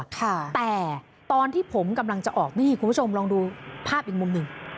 แต่ตอนที่ผมกำลังจะออกนี่คุณผู้ชมลองดูภาพอีกมุมหนึ่ง